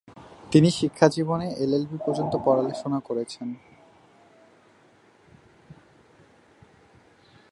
তিনি শিক্ষাজীবনে এলএলবি পর্যন্ত পড়াশোনা করেছিলেন।